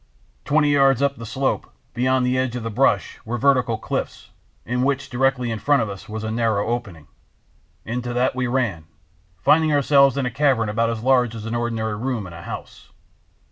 Twenty yards up the slope, beyond the edge of the brush, were vertical cliffs, in which, directly in front of us, was a narrow opening. Into that we ran, finding ourselves in a cavern about as large as an ordinary room in a house.